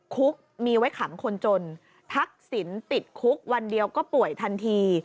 คุกมีไว้ขังคนจนทักษิณติดคุกวันเดียวก็ป่วยทันที